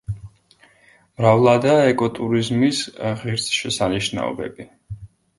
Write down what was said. მრავლადაა ეკოტურიზმის ღირსშესანიშნაობები.